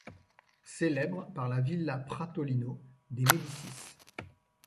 Célèbre par la Villa Pratolino des Médicis.